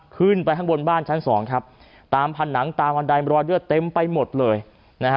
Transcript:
ขึ้นไปข้างบนบ้านชั้นสองครับตามผนังตามบันไดรอยเลือดเต็มไปหมดเลยนะฮะ